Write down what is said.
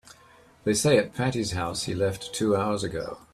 They say at Patti's house he left two hours ago.